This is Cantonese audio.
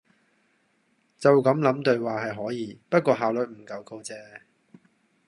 就咁諗對話係可以，不過效率唔夠高啫